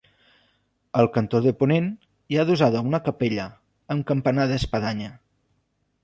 Al cantó de ponent hi ha adossada una capella, amb campanar d'espadanya.